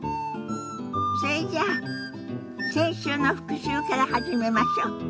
それじゃあ先週の復習から始めましょ。